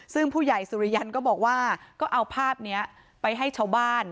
ซึ่งผู้ใหญ่สุริยันก็บอกว่าก็เอาภาพนี้ไปให้ชาวบ้าน